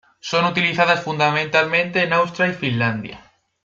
Son utilizadas fundamentalmente en Austria y Finlandia.